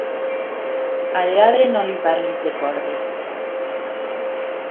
Al lladre no li parlis de cordes.